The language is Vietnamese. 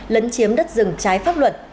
lấn chiếm đất rừng trái pháp luật